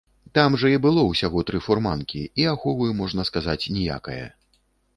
Там жа і было ўсяго тры фурманкі, і аховы, можна сказаць, ніякае.